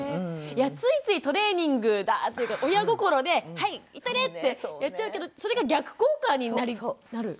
いやついついトレーニングだっていうか親心で「はい行っといで」ってやっちゃうけどそれが逆効果になる？